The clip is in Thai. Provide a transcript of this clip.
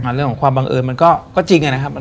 เรื่องของความบังเอิญมันก็จริงนะครับ